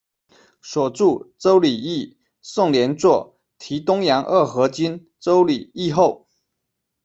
所着《周礼义》，宋濂作《题东阳二何君〈周礼〉义后》。